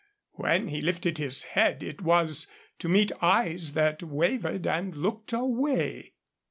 When he lifted his head it was to meet eyes that wavered and looked away.